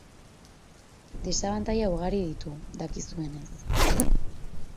Desabantaila ugari ditu, dakizuenez.